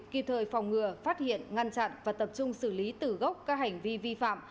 kịp thời phòng ngừa phát hiện ngăn chặn và tập trung xử lý tử gốc các hành vi vi phạm